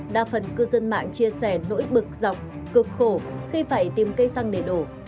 đa phần cư dân mạng chia sẻ nỗi bực dọc cực khổ khi phải tìm cây xăng để đổ